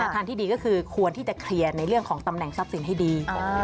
ทางที่ดีก็คือควรที่จะเคลียร์ในเรื่องของตำแหน่งทรัพย์สินให้ดี